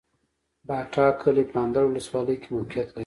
باټا کلی په اندړ ولسوالۍ کي موقعيت لري